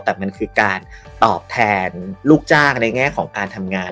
แต่มันคือการตอบแทนลูกจ้างในแง่ของการทำงาน